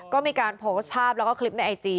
ก็มีการโพสต์ภาพแล้วก็คลิปในไอจี